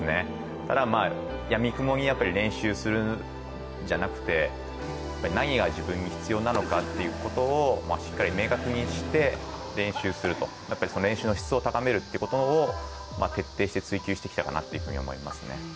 ただやみくもに練習するんじゃなくて、何が自分に必要なのかということをしっかり明確にして練習をすると練習の質を高めるということを徹底して追求してきたかなと思いますね。